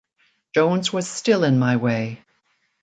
Jones was still in my way.